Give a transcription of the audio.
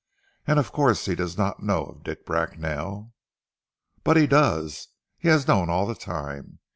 And of course he does not know of Dick Bracknell!" "But he does! He has known all the time.